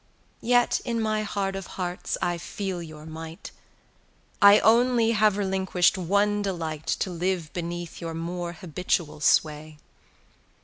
Yet in my heart of hearts I feel your might; I only have relinquish'd one delight 195 To live beneath your more habitual sway.